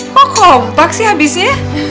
kok kompak sih habisnya